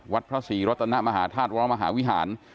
วัดพระศรีรัตนมหาธาตุวรมหาวิหาร